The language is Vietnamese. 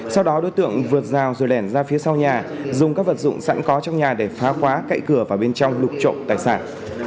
sau đó đối tượng vượt rào rồi lèn ra phía sau nhà dùng các vật dụng sẵn có trong nhà để phá khóa cậy cửa vào bên trong đục trộm tài sản